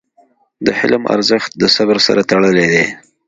د حلم ارزښت د صبر سره تړلی دی.